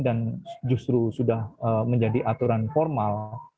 justru sudah menjadi aturan formal